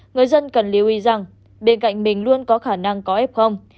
người dân cần lưu ý rằng bên cạnh mình luôn có khả năng có ép không